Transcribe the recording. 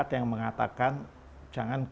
ada yang mengatakan jangan